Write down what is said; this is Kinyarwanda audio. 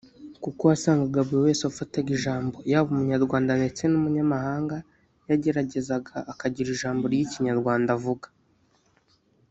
kuko wasangaga buri wese wafataga ijambo yaba Umunyarwanda ndetse n’Umunyamahanga yageragezaga akagira ijambo ry’Ikinyarwanda avuga